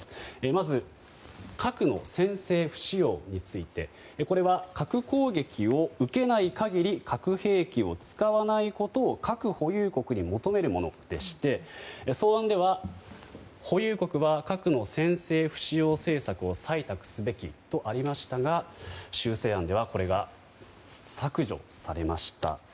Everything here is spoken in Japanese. まず、核の先制不使用についてこれは、核攻撃を受けない限り核兵器を使わないことを核保有国に求めるものでして草案では保有国は核の先制不使用政策を採択すべきとありましたが修正案ではこれが、削除されました。